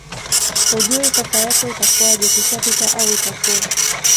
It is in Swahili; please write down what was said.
hujui sasa yako itakuwaje ikishapita au itakuwa